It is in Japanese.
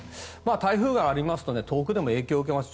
台風がありますと遠くでも影響を受けます。